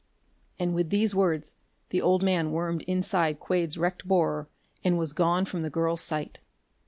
And with these words the old man wormed inside Quade's wrecked borer and was gone from the girl's sight.